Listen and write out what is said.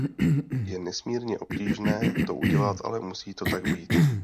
Je nesmírně obtížné to udělat, ale musí to tak být.